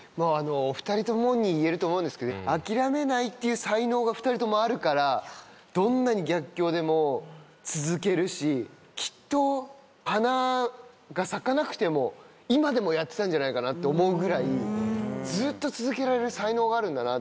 お二人ともに言えると思うんですけど諦めないって才能が二人ともあるからどんなに逆境でも続けるしきっと花が咲かなくても今でもやってたんじゃないかって思うぐらいずっと続けられる才能があるんだなって思いましたね。